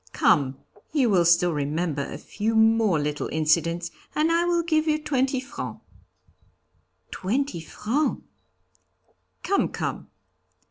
'Come, you will still remember a few more little incidents and I will give you twenty francs.' 'Twenty francs!' 'Come, come.'